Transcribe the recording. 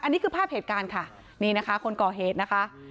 อันนี้คือภาพเหตุการณ์ค่ะนี่นะคะคนก่อเหตุนะคะ